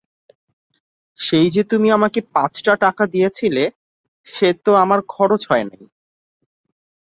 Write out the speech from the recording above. সেই যে তুমি আমাকে পাঁচটা টাকা দিয়াছিলে, সে তো আমার খরচ হয় নাই।